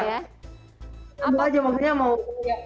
nyambung aja maksudnya mau